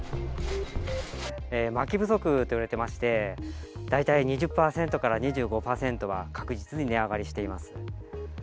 まき不足といわれてまして、大体２０％から２５％は、確実に値上がりしています。